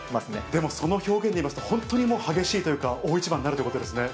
でも、その表現でいいますと、本当にもう激しいというか、大一番になるということですね。